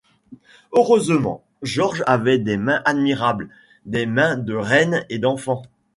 Heureusement, George avait des mains admirables, des mains de reine et d'enfant.